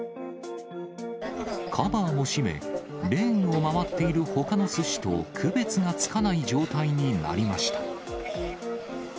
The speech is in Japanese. カバーを閉め、レーンを回っているほかのすしと区別がつかない状態になりました。